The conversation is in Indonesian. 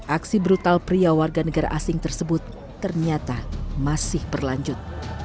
aksi brutal pria warga negara asing tersebut ternyata masih berlanjut